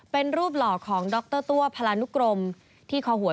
เป็นรูปหล่อของดรตัวพลานุกรมที่คอหวย